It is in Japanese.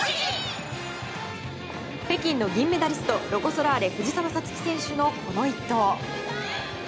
北京の銀メダリストロコ・ソラーレ、藤澤五月選手のこの一投。